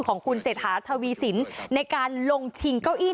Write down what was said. ของคุณเศรษฐาทวีสินในการลงชิงเก้าอี้